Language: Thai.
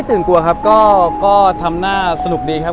ตื่นกลัวครับก็ทำหน้าสนุกดีครับ